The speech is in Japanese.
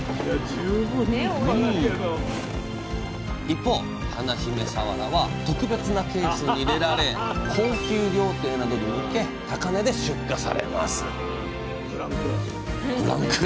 一方華姫さわらは特別なケースに入れられ高級料亭などに向け高値で出荷されます